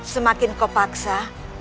semakin kau paksa